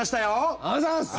ありがとうございます！